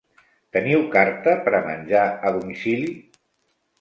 Teniu carta per a menjar a domicili?